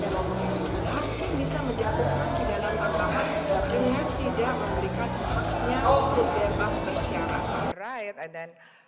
kita memang raid denganui